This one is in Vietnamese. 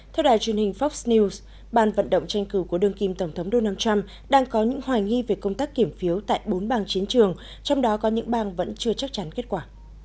theo đài truyền hình fox news ban vận động tranh cử của đương kim tổng thống donald trump đang có những hoài nghi về công tác kiểm phiếu tại bốn bang chiến trường trong đó có những bang vẫn chưa chắc chắn kết quả